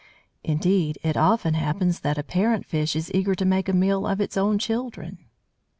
Indeed, it often happens that a parent fish is eager to make a meal of its own children!